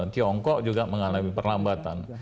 tiongkok juga mengalami perlambatan